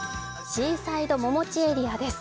シーサイドももちエリアです。